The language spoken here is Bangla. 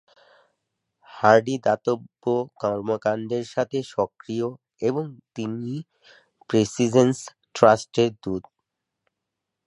হার্ডি দাতব্য কর্মকাণ্ডের সাথে সক্রিয় এবং তিনি প্রিন্সেস ট্রাস্টের দূত।